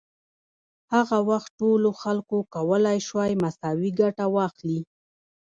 هغه وخت ټولو خلکو کولای شوای مساوي ګټه واخلي.